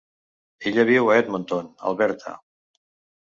Ella viu a Edmonton, Alberta.